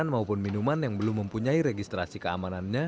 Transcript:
maupun minuman yang belum mempunyai registrasi keamanannya